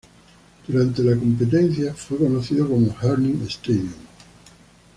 Durante la competencia, fue conocido como "Herning Stadion".